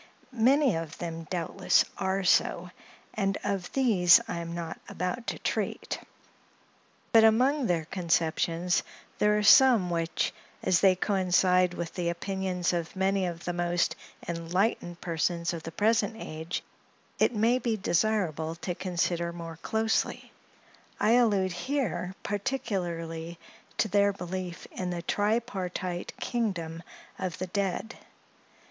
Many of them doubtless are so, and of these I am not about to treat; but among their conceptions, there are some which, as they coincide with the opinions of many of the most enlightened persons of the present age, it may be desirable to consider more closely. I allude here particularly to their belief in the tripartite kingdom of the dead.